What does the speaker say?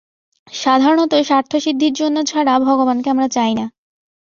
সাধারণত স্বার্থসিদ্ধির জন্য ছাড়া ভগবানকে আমরা চাই না।